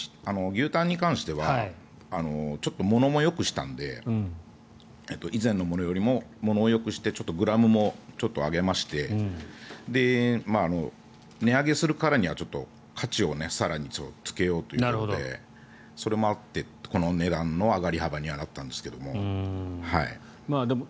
牛タンに関してはものもよくしたので以前のものよりもものをよくしてちょっとグラムも上げまして値上げするからには価値を更につけようというのでそれもあってこの値段の上がり幅にはなったんですけども。